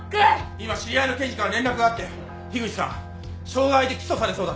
今知り合いの検事から連絡があって樋口さん傷害で起訴されそうだって。